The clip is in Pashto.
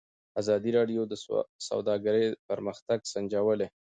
ازادي راډیو د سوداګري پرمختګ سنجولی.